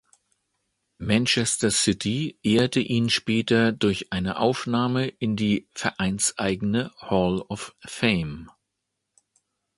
Manchester City ehrte ihn später durch eine Aufnahme in die vereinseigene „Hall of Fame“.